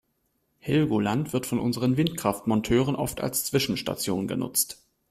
Helgoland wird von unseren Windkraftmonteuren oft als Zwischenstation genutzt.